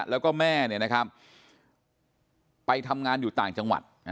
แล้วก็แม่เนี่ยนะครับไปทำงานอยู่ต่างจังหวัด